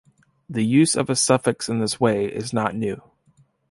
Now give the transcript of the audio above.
The use of a suffix in this way is not new.